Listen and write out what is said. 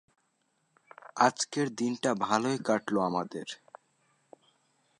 আজকের দিনটা ভালোই কাটলো আমাদের।